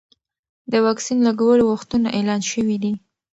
د واکسین لګولو وختونه اعلان شوي دي.